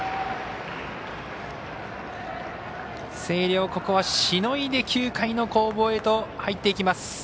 星稜、ここはしのいで９回の攻防へと入っていきます。